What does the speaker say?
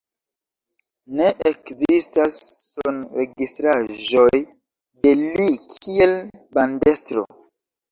Ne ekzistas sonregistraĵoj de li kiel bandestro.